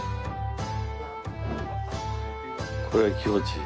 これは気持ちいい。